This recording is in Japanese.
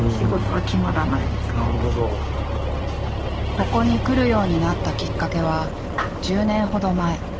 ここに来るようになったきっかけは１０年ほど前。